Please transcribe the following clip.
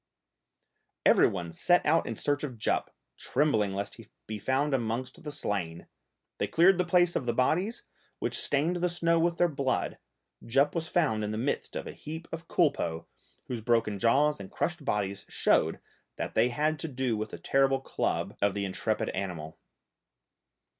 Every one set out in search of Jup, trembling lest he should be found amongst the slain; they cleared the place of the bodies which stained the snow with their blood, Jup was found in the midst of a heap of culpeux, whose broken jaws and crushed bodies showed that they had to do with the terrible club of the intrepid animal.